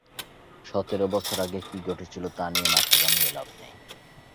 সতের বছর আগে কী ঘটেছিল তা নিয়ে মাথা ঘামিয়ে লাভ নেই।